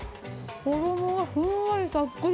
衣がふんわりさっくり。